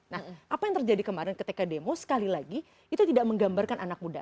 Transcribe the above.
nah apa yang terjadi kemarin ketika demo sekali lagi itu tidak menggambarkan anak muda